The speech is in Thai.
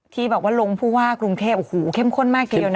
ที่บอกว่าลงผู้ว่ากรุงเทพโอ้โหเข้มข้นมากทีเดียวนะ